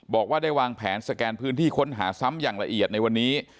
บอกว่าได้วางแผนสแกนพื้นที่ค้นหาซ้ำอย่างละเอียดในวันนี้